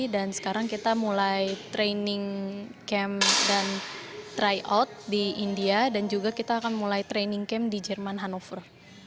sekarang kita mulai training camp dan tryout di india dan juga kita akan mulai training camp di jerman hannover